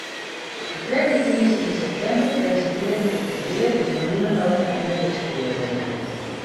De tredde tiisdeis yn septimber presintearret it regear de miljoenenota en de ryksbegrutting.